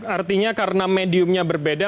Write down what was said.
artinya karena mediumnya berbeda